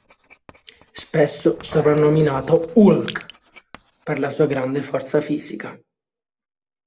Spesso soprannominato "Hulk" per la sua grande forza fisica.